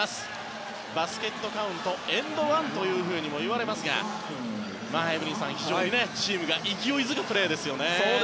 バスケットカウントエンドワンとも言われますがエブリンさん、非常にチームが勢いづくプレーですね。